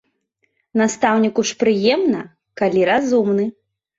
Настаўніку ж прыемна, калі разумны.